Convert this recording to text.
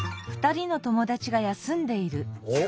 おっ！